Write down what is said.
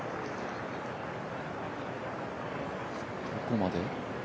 どこまで？